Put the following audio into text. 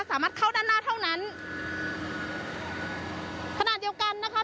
สามารถเข้าด้านหน้าเท่านั้นขณะเดียวกันนะคะ